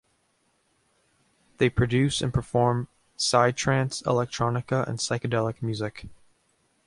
They produce and perform psytrance, electronica, and psychedelic music.